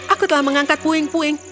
aku telah mengangkat puing puing